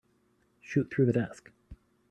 Shoot through the desk.